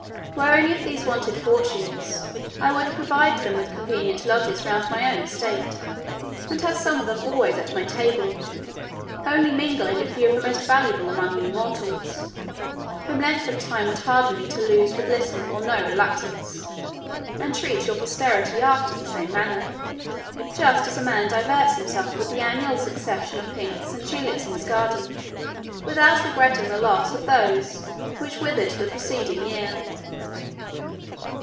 Where any of these wanted fortunes, I would provide them with convenient lodges round my own estate, and have some of them always at my table; only mingling a few of the most valuable among you mortals, whom length of time would harden me to lose with little or no reluctance, and treat your posterity after the same manner; just as a man diverts himself with the annual succession of pinks and tulips in his garden, without regretting the loss of those which withered the preceding year.